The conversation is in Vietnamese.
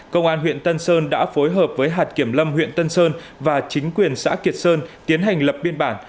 công an huyện tân sơn đã phối hợp với hạt kiểm lâm huyện tân sơn và chính quyền xã kiệt sơn tiến hành lập biên bản